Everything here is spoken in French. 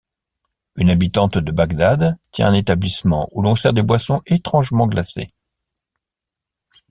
Une habitante de Bagdad tient un établissement où l'on sert des boissons étrangement glacées.